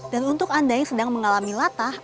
dan untuk anda yang sedang mengalami latah